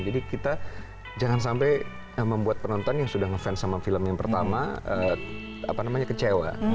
jadi kita jangan sampai membuat penonton yang sudah ngefans sama film yang pertama kecewa